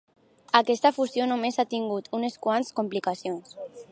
Aquesta fusió només a tingut unes quantes complicacions.